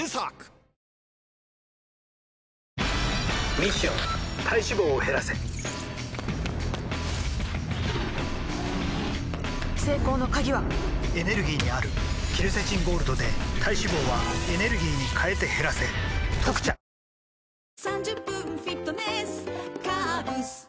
ミッション体脂肪を減らせ成功の鍵はエネルギーにあるケルセチンゴールドで体脂肪はエネルギーに変えて減らせ「特茶」よく集まった我が精鋭たちよ